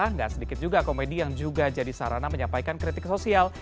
tidak sedikit juga komedi yang juga jadi sarana menyampaikan kritik sosial